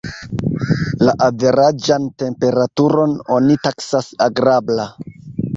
La averaĝan temperaturon oni taksas agrabla.